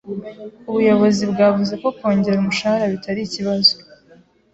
Ubuyobozi bwavuze ko kongera umushahara bitari ikibazo.